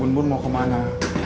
bun bun mau kemana